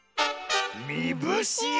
「みぶしあ」？